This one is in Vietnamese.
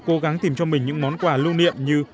cố gắng tìm cho mình những món quà lưu niệm như